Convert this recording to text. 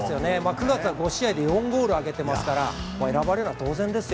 ９月は５試合で４ゴールを挙げてますから選ばれるのは当然ですよ。